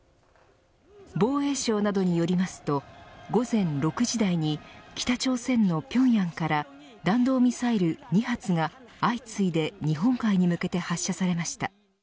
防衛省などによりますと午前６時台に北朝鮮の平壌から弾道ミサイル２発が相次いで日本海に向けて発射されました。